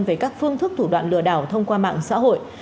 về các phương thức thủ đoạn lừa đảo thông qua mạng xã hội